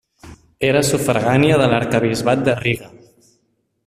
Era sufragània de l'arquebisbat de Riga.